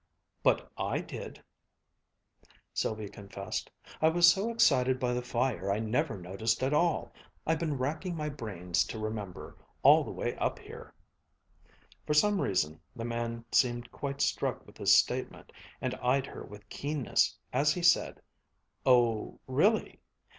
"But I did," Sylvia confessed. "I was so excited by the fire I never noticed at all. I've been racking my brains to remember, all the way up here." For some reason the man seemed quite struck with this statement and eyed her with keenness as he said: "Oh really?